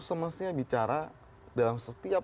semestinya bicara dalam setiap